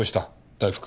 大福。